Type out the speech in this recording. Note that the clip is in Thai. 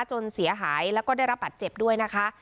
จนเสียหายแล้วก็ได้รับบัตรเจ็บด้วยนะคะ